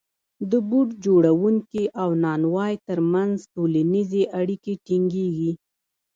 د بوټ جوړونکي او نانوای ترمنځ ټولنیزې اړیکې ټینګېږي